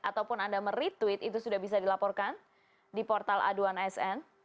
ataupun anda meretweet itu sudah bisa dilaporkan di portal aduan asn